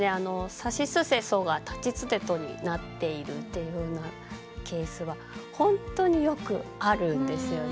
「さしすせそ」が「たちつてと」になっているというようなケースはほんとによくあるんですよね。